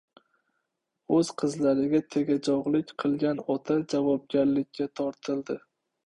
O‘z qizlariga tegajog‘lik qilgan ota javobgarlikka tortildi